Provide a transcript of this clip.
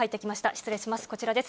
失礼します。